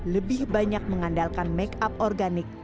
lebih banyak mengandalkan make up organik